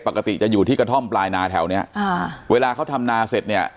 ปกติจะอยู่ที่กระท่อมปลายนาแถวเนี้ยอ่าเวลาเขาทำนาเสร็จเนี่ย